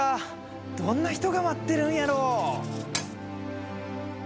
どんな人が待ってるんやろう？